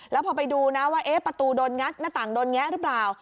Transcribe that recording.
แล้วพอไปดูนะว่าประตูโดนงัดหน้าต่างโดนแงะหรือเปล่า